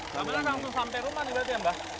kabelnya langsung sampai rumah nih berarti ya mbah